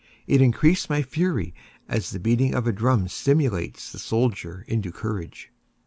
It increased my fury, as the beating of a drum stimulates the soldier into courage.